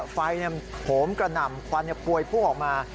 ไฟโผล่งกระหน่ำควันปลวยผู้หออกมา